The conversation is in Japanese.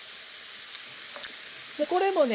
これもね